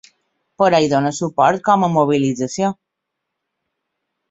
Però hi dóna suport ‘com a mobilització’.